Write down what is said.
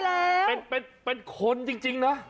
ไม่ตายแล้วเป็นคนจริงนะ